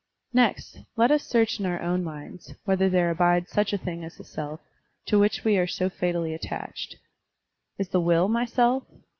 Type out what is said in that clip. Next, let us search in our own minds whether there abides such a thing as the self, to which we are so fatally attached. Is the will my self?